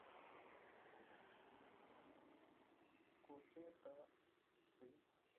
کوټې ته شئ.